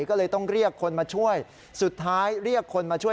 ก็เลยต้องเรียกคนมาช่วยสุดท้ายเรียกคนมาช่วย